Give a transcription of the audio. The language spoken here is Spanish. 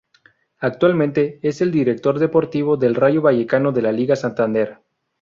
Actualmente, es el director deportivo del Rayo Vallecano de la Liga Santander.